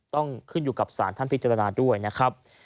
ต้องขึ้นอยู่กับสารท่านพิจารณาด้วยนะครับ